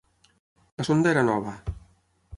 La sonda era nova.